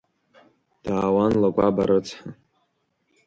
Даауан Лакәаба рыцҳа.